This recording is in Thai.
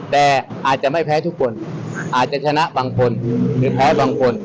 แต่อาจจะไม่แพ้ทุกคนอาจจะชนะบางคนหรือแพ้บางคน